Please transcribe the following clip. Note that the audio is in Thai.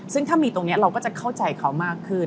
ซึ่งถ้ามีตรงนี้เราก็จะเข้าใจเขามากขึ้น